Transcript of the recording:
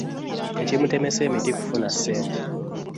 Ekimutemesa emiti kufuna ssente.